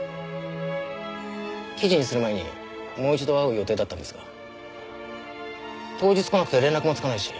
記事にする前にもう一度会う予定だったんですが当日来なくて連絡もつかないし。